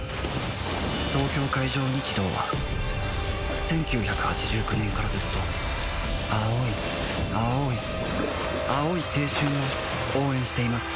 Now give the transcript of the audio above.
東京海上日動は１９８９年からずっと青い青い青い青春を応援しています